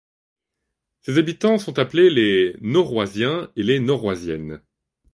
Ses habitants sont appelés les Noroysiens et les Noroysiennes.